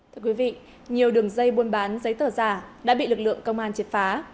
thưa quý vị nhiều đường dây buôn bán giấy tờ giả đã bị lực lượng công an triệt phá